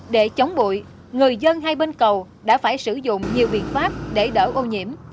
để chống bụi người dân hai bên cầu đã phải sử dụng nhiều biện pháp để đỡ ô nhiễm